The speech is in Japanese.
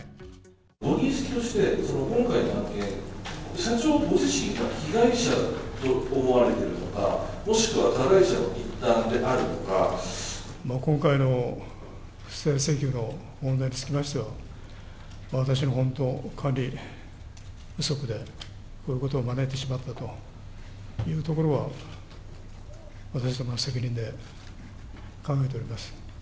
ご認識として、今回の件で、社長ご自身は被害者と思われてるのか、今回の不正請求の問題につきましては、私の本当、管理不足で、こういうことを招いてしまったというところは、私どもの責任で考えております。